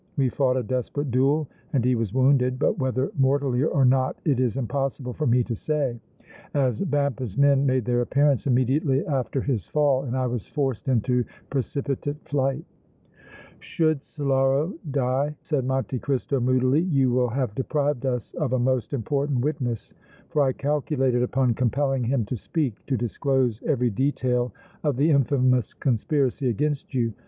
We fought a desperate duel and he was wounded, but whether mortally or not it is impossible for me to say, as Vampa's men made their appearance immediately after his fall, and I was forced into precipitate flight." "Should Solara die," said Monte Cristo, moodily, "you will have deprived us of a most important witness, for I calculated upon compelling him to speak, to disclose every detail of the infamous conspiracy against you.